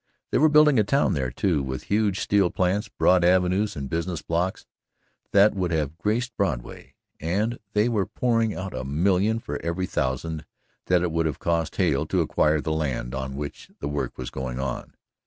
They were building a town there, too, with huge steel plants, broad avenues and business blocks that would have graced Broadway; and they were pouring out a million for every thousand that it would have cost Hale to acquire the land on which the work was going on.